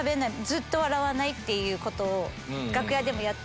ずっと笑わないっていうことを楽屋でもやってたんで。